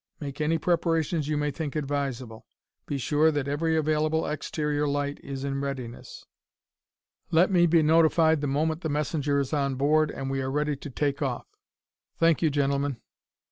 Make any preparations you may think advisable. Be sure that every available exterior light is in readiness. Let me be notified the moment the messenger is on board and we are ready to take off. Thank you, gentlemen!"